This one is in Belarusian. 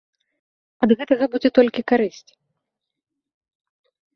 Ад гэтага будзе толькі карысць.